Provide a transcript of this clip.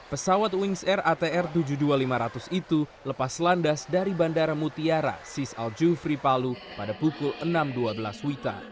pesawat wings air atr tujuh puluh dua lima ratus itu lepas landas dari bandara mutiara sis al jufri palu pada pukul enam dua belas wita